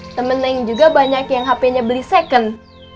temennya yang juga banyak yang hpnya beli second